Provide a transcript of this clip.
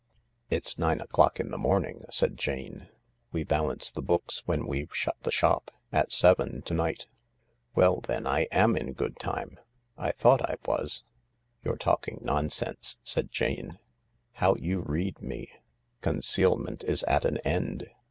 "It's nine o'clock in the morning/' said Jane. "We balance the books when we've shut the shop. At seven to night." " Well, then, I am in good time. I thought I was." " You're talking nonsense !" said Jane. " How you read me 1 Concealment is at an end.